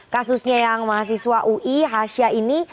kasusnya yang mahasiswa ui hasya ini